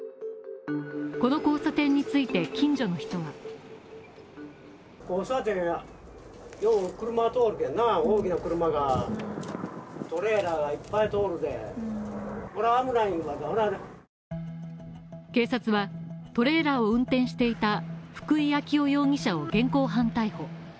この交差点について、近所の人は警察は、トレーラーを運転していた福井暁生容疑者を現行犯逮捕。